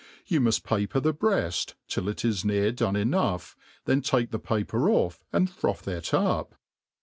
You muft paper the breaft till it is near doiie enough, then tsike the paper off and froth it up.